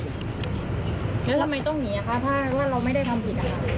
แล้วทำไมต้องหนีอะคะถ้าเราไม่ได้ทำผิดนะคะ